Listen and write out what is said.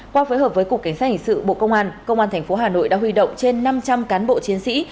qua phối hợp với cục cảnh sát hình sự bộ công an công an tp hà nội đã huy động trên năm trăm linh cán bộ chiến sĩ